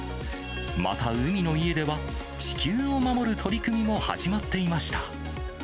また海の家では、地球を守る取り組みも始まっていました。